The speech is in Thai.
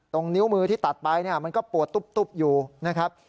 นิ้วมือที่ตัดไปเนี่ยมันก็ปวดตุ๊บอยู่นะครับ